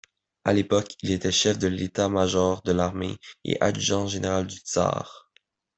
À l'époque, il était chef de l'État-major de l'Armée et adjudant-général du tsar.